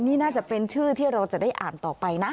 นี่น่าจะเป็นชื่อที่เราจะได้อ่านต่อไปนะ